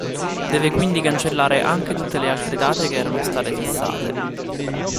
Deve quindi cancellare anche tutte le altre date che erano state fissate.